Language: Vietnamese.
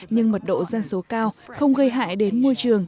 nhưng mật độ dân số cao không gây hại đến môi trường